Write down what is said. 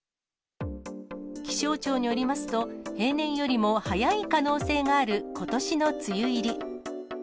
気象庁によりますと、平年よりも早い可能性があることしの梅雨入り。